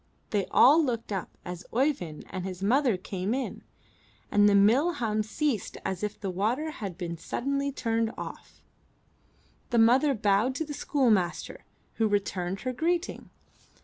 They all looked up as Oeyvind and his mother came in, and the mill hum ceased as if the water had been suddenly turned off. The mother bowed to the schoolmaster, who returned her greeting.